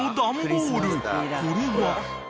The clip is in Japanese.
［これは］